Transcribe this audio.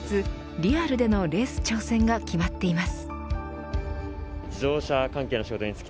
リアルでのレース挑戦が決まっています。